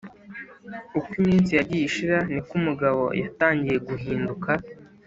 uko iminsi yagiye ishira niko umugabo yatangiye guhinduka